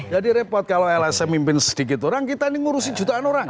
jadi repot kalau lsm mimpin sedikit orang kita ini ngurusin jutaan orang